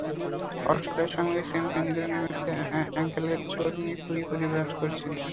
অস্ট্রেলিয়ার সঙ্গে সেমিফাইনাল নির্ধারণী ম্যাচে অ্যাঙ্কেলের চোট নিয়ে খুঁড়িয়ে খুঁড়িয়ে ব্যাট করছিলেন।